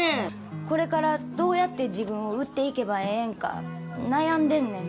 これからどうやって自分を売っていけばええんか悩んでんねん。